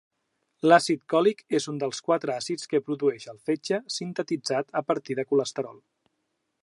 L'àcid còlic és un dels quatre àcids que produeix el fetge sintetitzat a partir colesterol.